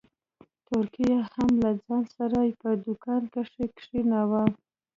تورکى يې هم له ځان سره په دوکان کښې کښېناوه.